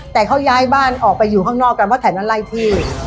แต่เขาย้ายบ้านออกไปอยู่ข้างนอกกันเพราะแถวนั้นไล่ที่